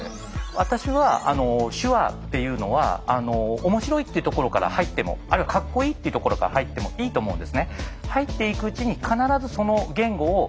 私は手話っていうのは面白いっていうところから入ってもあるいはかっこいいっていうところから入ってもいいと思うんですね。